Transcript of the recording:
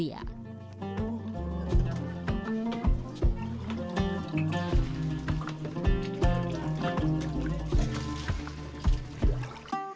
air yang digunakan merupakan air asli